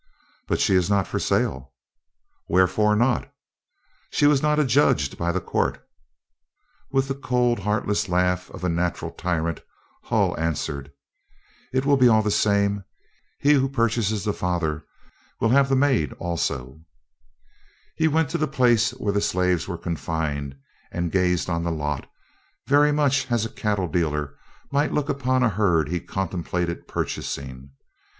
"But she is not for sale." "Wherefore not?" "She was not adjudged by the court." With the cold, heartless laugh of a natural tyrant, Hull answered: "It will be all the same. He who purchases the father will have the maid also." He went to the place where the slaves were confined and gazed on the lot, very much as a cattle dealer might look upon a herd he contemplated purchasing.